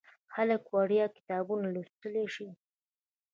خلک وړیا کتابونه لوستلی شي.